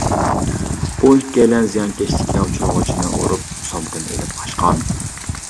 بۇ ئىككىيلەن زىيانكەشلىككە ئۇچرىغۇچىنى ئۇرۇپ سومكىنى ئېلىپ قاچقان.